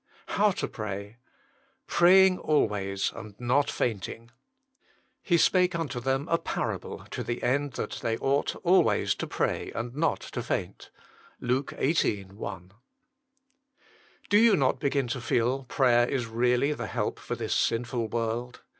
HOW TO PRAT. |Jragtnig allttajta, antr not fainting "He spake unto them a parable to the end that they ought always to pray, and not to faint." LUKE xviii. 1. Do you not begin to feel prayer is really the help for this sinful world?